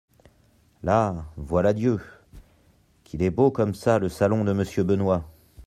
Là … voilà Dieu ! qu'il est beau comme ça le salon de Monsieur Benoît !